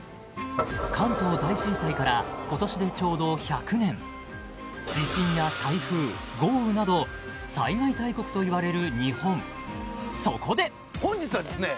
関東大震災から今年でちょうど１００年地震や台風豪雨など災害大国といわれる日本そこで本日はですね